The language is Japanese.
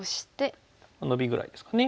ノビぐらいですかね。